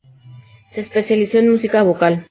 Se especializó en música vocal.